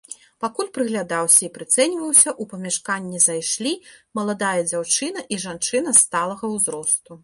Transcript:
Пакуль прыглядаўся і прыцэньваўся, у памяшканне зайшлі маладая дзяўчына і жанчына сталага ўзросту.